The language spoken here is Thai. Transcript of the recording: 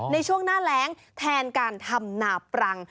ในช่วงหน้าแรงแทนการทำนาปรัง